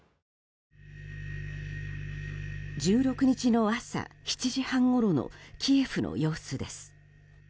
１６日の朝７時半ごろのキエフの様子です。